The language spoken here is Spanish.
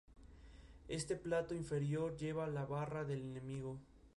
Está afiliado al Vancouver Whitecaps, equipo canadiense que participa en la Major League Soccer.